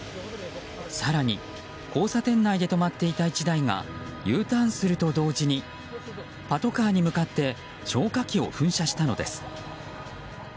更に、交差点内で止まっていた１台がＵターンすると同時にパトカーに向かって消火器を噴射したのです。